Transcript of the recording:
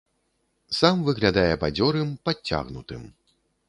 Сам выглядае бадзёрым, падцягнутым.